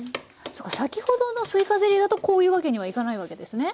そうか先ほどのすいかゼリーだとこういうわけにはいかないわけですね？